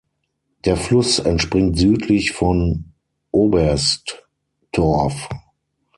Der Fluss entspringt südlich von Oberstdorf.